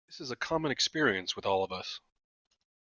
This is a common experience with all of us.